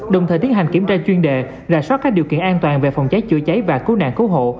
đồng thời tiến hành kiểm tra chuyên đề rà soát các điều kiện an toàn về phòng cháy chữa cháy và cứu nạn cứu hộ